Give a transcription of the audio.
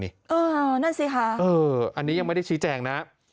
นั่นสิคะอันนี้ยังไม่ได้ชี้แจงนะ